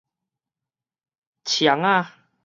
戕仔